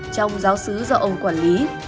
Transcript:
trong giáo sứ do ông quản lý